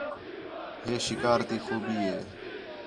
ہے شکار تی خوبی ہِے